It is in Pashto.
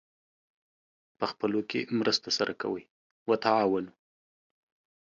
پخپلو کې مرسته سره کوئ : وتعاونوا